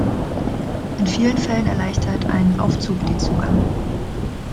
In vielen Fällen erleichtert ein Aufzug den Zugang.